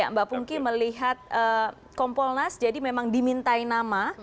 mbak pungki melihat kompolnas jadi memang dimintai nama